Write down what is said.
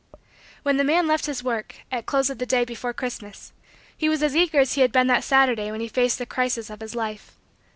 When the man left his work, at close of the day before Christmas, he was as eager as he had been that Saturday when he faced the crisis of his life.